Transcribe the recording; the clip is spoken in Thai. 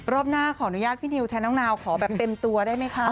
หน้าขออนุญาตพี่นิวแทนน้องนาวขอแบบเต็มตัวได้ไหมคะ